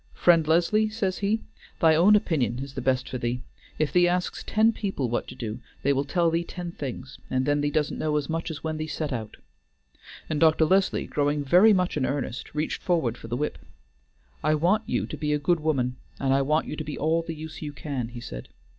'Friend Leslie,' says he, 'thy own opinion is the best for thee; if thee asks ten people what to do, they will tell thee ten things, and then thee doesn't know as much as when thee set out,'" and Dr. Leslie, growing very much in earnest, reached forward for the whip. "I want you to be a good woman, and I want you to be all the use you can," he said.